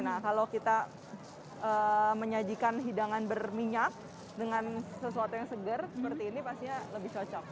nah kalau kita menyajikan hidangan berminyak dengan sesuatu yang segar seperti ini pastinya lebih cocok